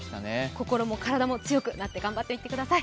心も体も強くなって頑張っていってください。